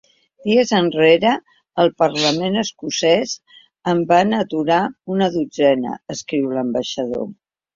Dies enrere, al parlament escocès en vam aturar una dotzena, escriu l’ambaixador.